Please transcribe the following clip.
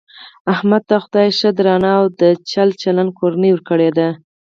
احمد ته خدای ښه درنه او د چل چلن کورنۍ ورکړې ده .